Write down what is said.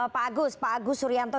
pak agus pak agus suryanto